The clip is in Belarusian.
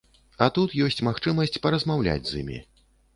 А тут ёсць магчымасць паразмаўляць з імі.